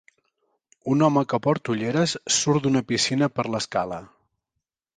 Un home que porta ulleres surt d'una piscina per l'escala.